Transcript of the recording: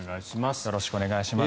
よろしくお願いします。